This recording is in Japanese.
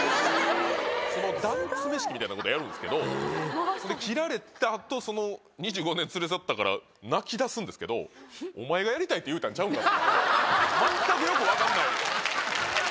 その断爪式みたいなことをやるんですけど、切られたあと、２５年連れ添ったから泣きだすんですけど、お前がやりたいって言うたんちゃうかって。